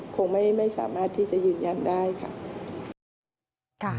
คงไม่สามารถที่จะยืนยันได้ค่ะ